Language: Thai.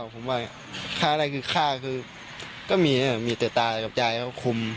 ผมว่าฆ่าอะไรคือฆ่าคือก็มีมีแต่ตากับยายเขาคุม